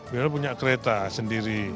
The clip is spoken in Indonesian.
beliau punya kereta sendiri